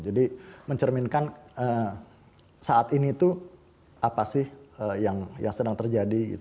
jadi mencerminkan saat ini itu apa sih yang sedang terjadi